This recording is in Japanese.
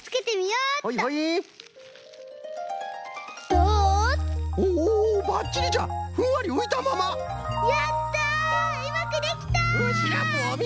うまくできた！